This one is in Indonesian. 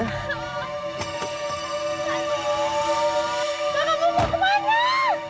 kakak mau kemana